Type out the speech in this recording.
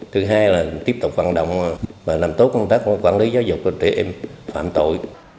thứ hai là tiếp tục vận động và làm tốt công tác quản lý giáo dục cho trẻ em phạm tội